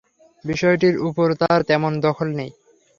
বিষয়টির উপর তার তেমন দখল নেই।